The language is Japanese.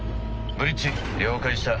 ブリッジ了解した。